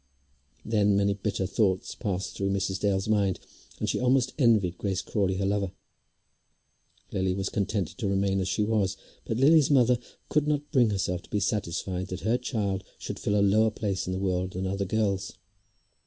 Then many bitter thoughts passed through Mrs. Dale's mind, and she almost envied Grace Crawley her lover. Lily was contented to remain as she was, but Lily's mother could not bring herself to be satisfied that her child should fill a lower place in the world than other girls.